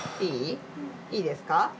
いい？いいですか？